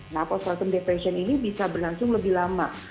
nah costum depression ini bisa berlangsung lebih lama